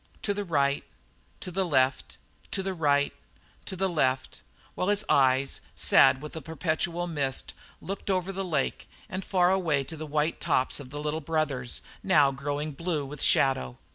To the right, to the left, to the right, to the left, while his eyes, sad with a perpetual mist, looked over the lake and far away to the white tops of the Little Brothers, now growing blue with shadow.